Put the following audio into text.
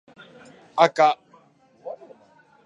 あか